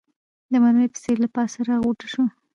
د مرمۍ په څېر له پاسه راغوټه سو